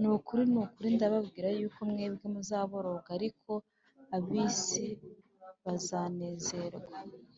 ni ukuri, ni ukuri, ndababwira yuko mwebweho muzaboroga, ariko ab’isi bazanezerwa